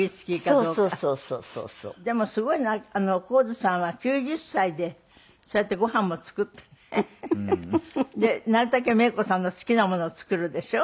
でもすごいのは神津さんは９０歳でそうやってご飯も作ってねでなるたけメイコさんの好きなものを作るでしょ？